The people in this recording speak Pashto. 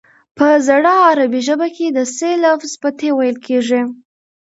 په زړه عربي ژبه کې د ث لفظ په ت ویل کیږي